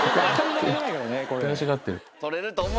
悔しがってる。